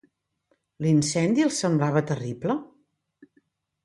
L'incendi els semblava terrible?